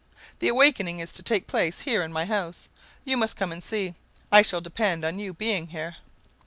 The awakening is to take place here in my house. You must come and see. I shall depend on your being here."